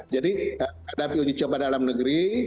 jadi hadapi uji coba dalam negeri